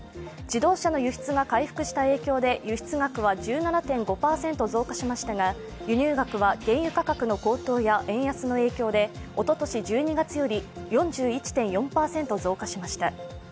自動車の輸出が回復した影響で、輸出額は１７．５％増加しましたが、輸入額は原油価格の高騰や円安の影響でおととし１２月より４１．４％増加しました。